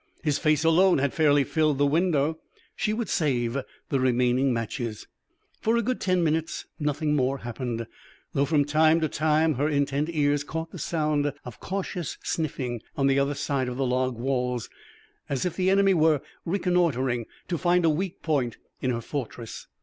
His face alone had fairly filled the window. She would save the remaining matches. For a good ten minutes nothing more happened, though from time to time her intent ears caught the sound of cautious sniffing on the other side of the log walls, as if the enemy were reconnoitering to find a weak point in her fortress.